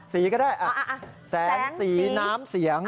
ก็ได้แสงสีน้ำเสียง